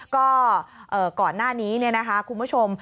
ก็ก่อนหน้านี้คุณผู้ชม